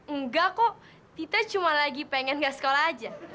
enggak kok tita cuma lagi pengen gak sekolah aja